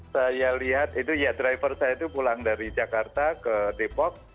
saya lihat itu ya driver saya itu pulang dari jakarta ke depok